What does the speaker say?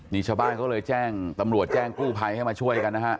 นี่ชาวบ้านเขาเลยแจ้งตำรวจแจ้งกู้ภัยให้มาช่วยกันนะฮะ